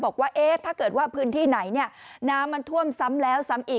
บอกว่าถ้าเกิดว่าพื้นที่ไหนน้ำมันท่วมซ้ำแล้วซ้ำอีก